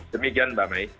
demikian mbak may